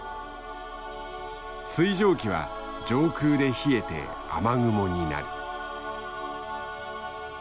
水蒸気は上空で冷えて雨雲になる。